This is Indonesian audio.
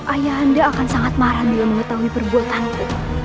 ayahanda akan sangat marah bila mengetahui perbuatanku